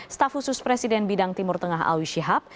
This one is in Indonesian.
staf khusus presiden bidang timur tengah awi shihab